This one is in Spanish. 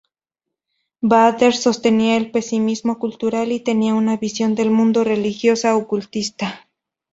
Baader sostenía el pesimismo cultural y tenía una visión del mundo religiosa-ocultista.